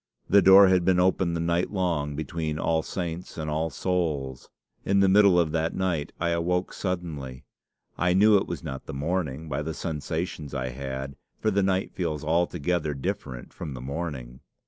The door had been open the night long between All Saints and All Souls. In the middle of that night I awoke suddenly. I knew it was not the morning by the sensations I had, for the night feels altogether different from the morning.